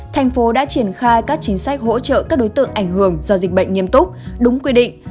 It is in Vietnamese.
thành phố đã triển khai các chính sách hỗ trợ các đối tượng ảnh hưởng do dịch bệnh nghiêm túc đúng quy định